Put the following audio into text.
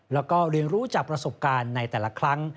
แล้วก็เรียนรู้จากประสบการณ์ในแต่ละครั้ง